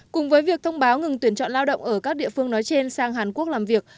cùng với việc thông báo ngừng tuyển chọn lao động ở các địa phương nói trên sang hàn quốc làm việc